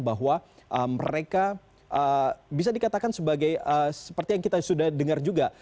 bahwa mereka bisa dikatakan sebagai seperti yang kita sudah dengar juga